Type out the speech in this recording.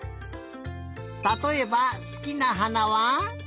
たとえばすきなはなは？